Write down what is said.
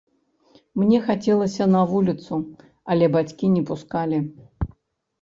Мне хацелася на вуліцу, але бацькі не пускалі.